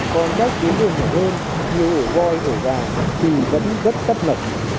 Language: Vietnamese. còn các tuyến đường nhỏ hơn như ổ voi ổ gà thì vẫn rất thấp mật